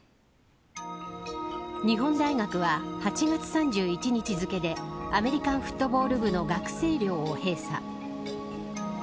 日本大学は、８月３１日付でアメリカンフットボール部の学生寮を閉鎖。